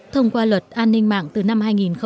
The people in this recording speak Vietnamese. thông qua luật an ninh mạng từ năm hai nghìn một mươi